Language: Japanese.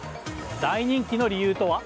大人気の理由とは？